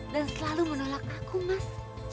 dan selalu menolak aku mas